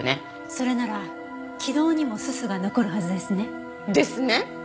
それなら気道にも煤が残るはずですね。ですね！